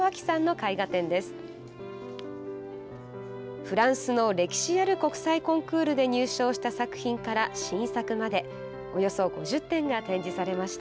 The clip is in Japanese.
海外の歴史ある国際コンクールで入賞した作品から新作までおよそ５０点が展示されました。